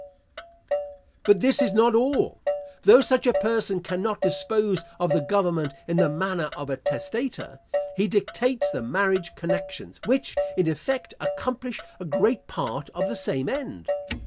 But this is not all. Though such a person cannot dispose of the government in the manner of a testator, he dictates the marriage connections, which, in effect, accomplish a great part of the same end.